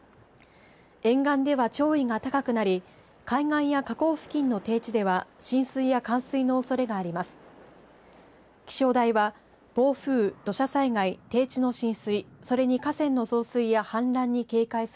沿岸では潮位が高くなり海岸や河口付近の低地では浸水や冠水のおそれがあります。